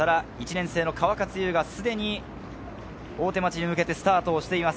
１年生の川勝悠雅はすでに大手町に向けてスタートしています。